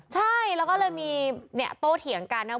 ใช่แล้วก็เลยมีโต้เถี๋ยงกันครับ